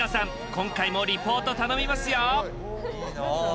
今回もリポート頼みますよ！